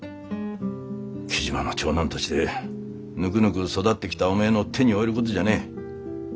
雉真の長男としてぬくぬく育ってきたおめえの手に負えることじゃねえ。